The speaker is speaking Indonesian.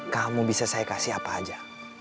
kamu bisa saya kasih apa aja